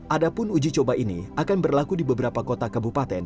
adapun uji coba ini akan berlaku di beberapa kota kabupaten